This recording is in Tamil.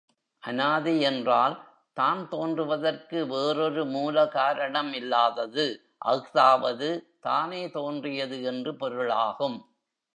அனாதி என்றால், தான் தோன்றுவதற்கு வேறொரு மூல காரணம் இல்லாதது அஃதாவது தானே தோன்றியது என்று பொருளாகும்.